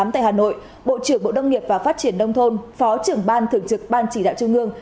tại hà nội bộ trưởng bộ đông nghiệp và phát triển đông thôn phó trưởng ban thường trực ban chỉ đạo chương ngương